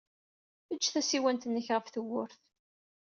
Ejj tasiwant-nnek ɣef tewwurt.